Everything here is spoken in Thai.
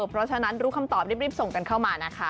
เพราะฉะนั้นรู้คำตอบรีบส่งกันเข้ามานะคะ